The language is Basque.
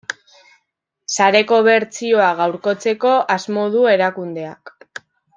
Sareko bertsioa gaurkotzeko asmo du erakundeak.